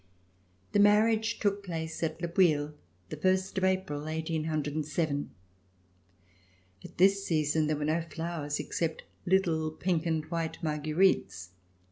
The marriage took place at Le Bouilh the first of April, 1807. At this season there were no flowers except little pink and white marguerites.